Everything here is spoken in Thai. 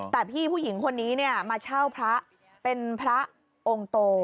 แต่พี่ผู้หญิงคนนี้มาเช่าพระเป็นพระองค์โต